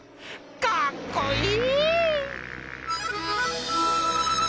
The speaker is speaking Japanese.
かっこいい！